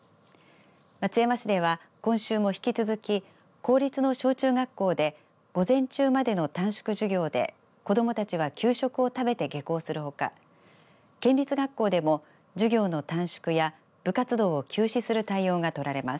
松山市では、今週も引き続き公立の小中学校で午前中までの短縮授業で子どもたちは給食を食べて下校するほか県立学校でも授業の短縮や部活動を休止する対応が取られます。